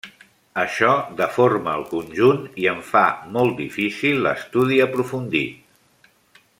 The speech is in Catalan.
Això deforma el conjunt, i en fa molt difícil l'estudi aprofundit.